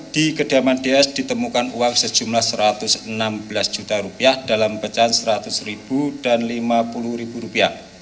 di kediaman ds ditemukan uang sejumlah rp satu ratus enam belas juta rupiah dalam pecahan seratus ribu dan rp lima puluh